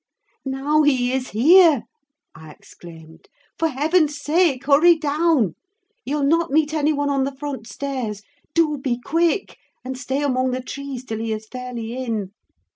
"Now he is here," I exclaimed. "For heaven's sake, hurry down! You'll not meet any one on the front stairs. Do be quick; and stay among the trees till he is fairly in."